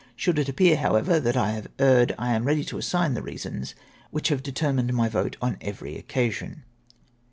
Should it appear, however, that I have erred, I am ready to assign the reasons which have deter mined my vote on every occasion.